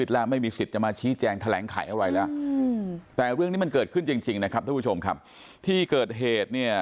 เรื่องนี้มันเกิดขึ้นจริงทุกวันที่เกิดเหตุ